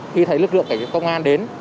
khi thấy lực lượng cảnh sát công an đến